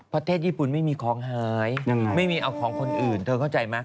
ประเทศญี่ปุ่นไม่มีของหายไม่มีเอาของคนอื่นเธอเข้าใจไหม